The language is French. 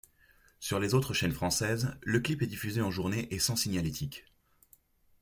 Sur les autres chaînes françaises, le clip est diffusé en journée et sans signalétique.